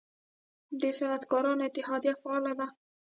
د صنعتکارانو اتحادیه فعال ده؟